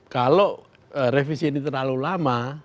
kalau revisi ini terlalu lama